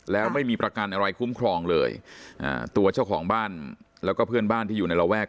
แล้วไม่มีประกันอะไรคุ้มครองเลยอ่าตัวเจ้าของบ้านแล้วก็เพื่อนบ้านที่อยู่ในระแวก